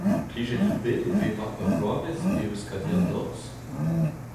Plijet out bet o vevañ ur bloavezh e Euskadi an norzh ?